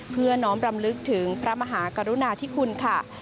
เพื่อน้อมรำลึกถึงพระมหากรุณาธิคุณค่ะ